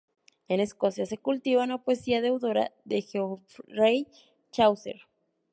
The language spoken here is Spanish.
En Escocia se cultiva una poesía deudora de Geoffrey Chaucer.